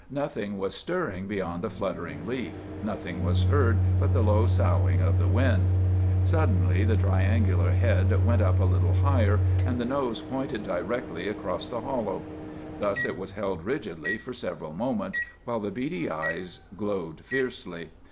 Nothing was stirring beyond a fluttering leaf; nothing was heard but the low soughing of the wind. Suddenly the triangular head went up a little higher, and the nose pointed directly across the hollow. Thus it was held rigidly for several moments, while the beady eyes glowed fiercely.